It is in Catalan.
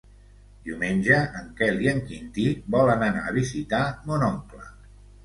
Diumenge en Quel i en Quintí volen anar a visitar mon oncle.